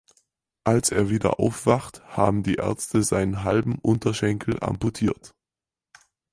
Als er wieder aufwacht, haben die Ärzte seinen halben Unterschenkel amputiert.